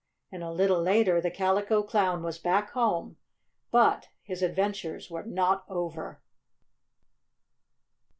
And a little later the Calico Clown was back home. But his adventures were not over.